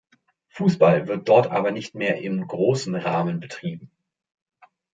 Fußball wird dort aber nicht mehr in großem Rahmen betrieben.